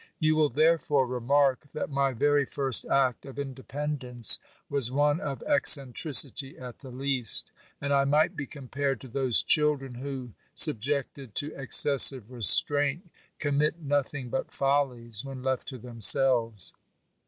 You will therefore remark, that my very first act of indepen dence was one of eccentricity at the least, and I might be compared to those children who, subjected to excessive re straint, commit nothing but follies when left to themselves.